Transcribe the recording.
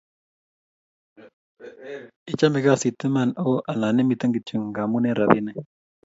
Ichame kaasit iman ooh ana imiten kityok ngamun en rapinik